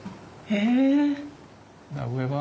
へえ。